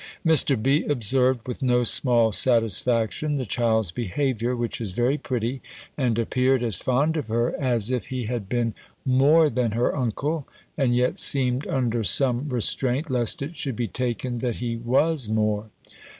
Mr. B. observed, with no small satisfaction, the child's behaviour, which is very pretty; and appeared as fond of her, as if he had been more than her uncle, and yet seemed under some restraint, lest it should be taken, that he was more.